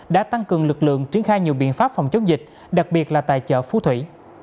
đã tăng cường lực lượng triển khai nhiều biện pháp phòng chống dịch đặc biệt là tại chợ phú thủy